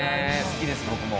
好きです僕も。